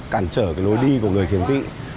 cản trở cái lối đi của người khiếm thị